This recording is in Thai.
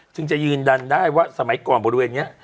จึงจะยืนยันได้ว่าสมัยก่อนบริเวณนี้